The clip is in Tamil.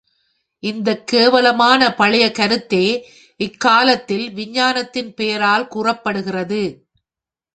இந்தக் கேவலமான பழைய கருத்தே இக் காலத்தில் விஞ்ஞானத்தின் பெயரால் கூறப்படுகிறது.